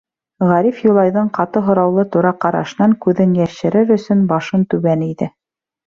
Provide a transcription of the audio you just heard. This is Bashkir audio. Ғариф, Юлайҙың ҡаты һораулы тура ҡарашынан күҙен йәшерер өсөн, башын түбән эйҙе.